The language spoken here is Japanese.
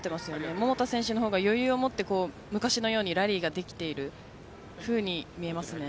桃田選手の方が余裕を持って昔のようにラリーができているように見えますね。